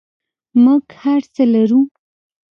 موږ هر څه لرو